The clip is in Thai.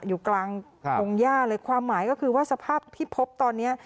อยู่กลางพงหญ้าเลยความหมายก็คือว่าสภาพที่พบตอนนี้